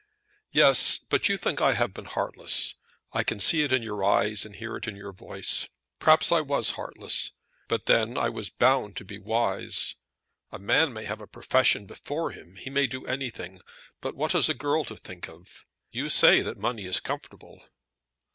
"Yes, but you think I have been heartless. I can see it in your eyes and hear it in your voice. Perhaps I was heartless; but then I was bound to be wise. A man may have a profession before him. He may do anything. But what has a girl to think of? You say that money is comfortable."